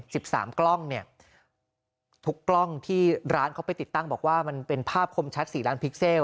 สิบสามกล้องเนี่ยทุกกล้องที่ร้านเขาไปติดตั้งบอกว่ามันเป็นภาพคมชัดสี่ร้านพิกเซล